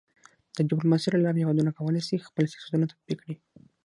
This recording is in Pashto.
د ډيپلوماسۍ له لارې هېوادونه کولی سي خپل سیاستونه تطبیق کړي.